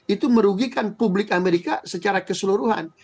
itu merugikan publik amerika secara keseluruhan